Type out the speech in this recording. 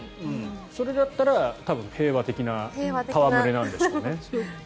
それだったら多分平和的な戯れなんでしょうね。